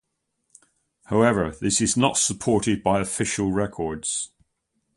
However this is not supported by official records.